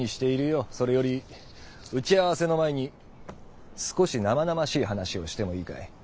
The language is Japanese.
それより打ち合わせの前に少しナマナマしい話をしてもいいかい？